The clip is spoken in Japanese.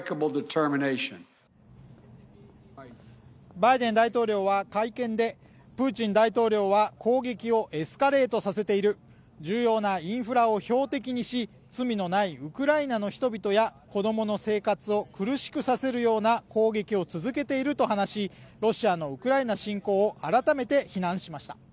バイデン大統領は、会見で、プーチン大統領は攻撃をエスカレートさせている、重要なインフラを標的にし罪のないウクライナの人々や子供の生活を苦しくさせるような攻撃を続けていると話し、ロシアのウクライナ侵攻を改めて非難しました。